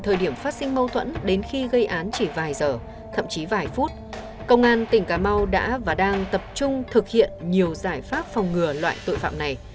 thời điểm phát sinh mâu thuẫn đến khi gây án chỉ vài giờ thậm chí vài phút công an tỉnh cà mau đã và đang tập trung thực hiện nhiều giải pháp phòng ngừa loại tội phạm này